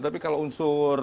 tapi kalau unsur